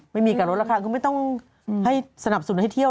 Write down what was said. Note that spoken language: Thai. ไม่มีการลดราคาคือไม่ต้องให้สนับสนุนให้เที่ยว